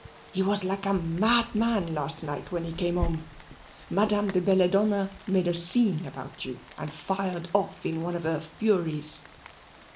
He was like a madman last night when he came home. Madame de Belladonna made him a scene about you and fired off in one of her furies."